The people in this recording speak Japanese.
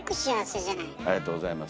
ありがとうございます。